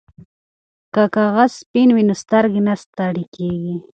که کاغذ سپین وي نو سترګې نه ستړې کیږي.